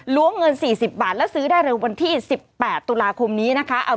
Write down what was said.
เงิน๔๐บาทแล้วซื้อได้เร็ววันที่๑๘ตุลาคมนี้นะคะ